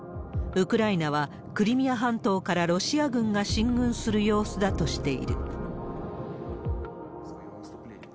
ウクライナは、クリミア半島からロシア軍が進軍する様子だとしている。